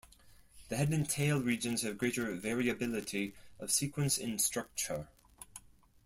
The head and tail regions have greater variability of sequence and structure.